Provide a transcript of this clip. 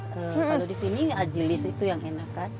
kalau di sini ajilis itu yang enakan